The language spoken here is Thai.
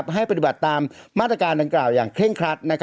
ให้ปฏิบัติตามมาตรการดังกล่าวอย่างเคร่งครัด